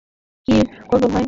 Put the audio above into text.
কী করব ভাই!